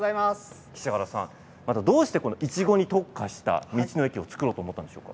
またどうしていちごに特化した道の駅を作ろうと思ったんでしょうか？